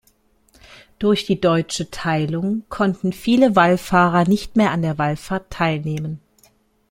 Durch die Deutsche Teilung konnten viele Wallfahrer nicht mehr an der Wallfahrt teilnehmen.